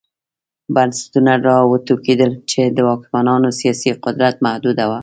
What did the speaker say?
بنسټونه را وټوکېدل چې د واکمنانو سیاسي قدرت محدوداوه.